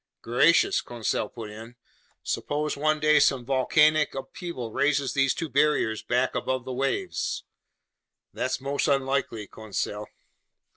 "Gracious!" Conseil put in. "Suppose one day some volcanic upheaval raises these two barriers back above the waves!" "That's most unlikely, Conseil."